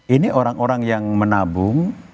ini orang orang yang menabung